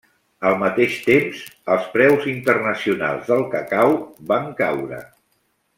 Al mateix temps, els preus internacionals del cacau van caure.